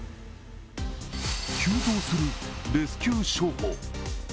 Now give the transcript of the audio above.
急増するレスキュー商法。